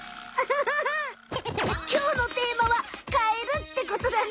きょうのテーマはカエルってことだね。